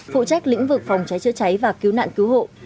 phụ trách lĩnh vực phòng cháy chữa cháy và cứu nạn cứu hộ